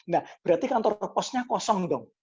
nah berarti kantor pos nya kosong dong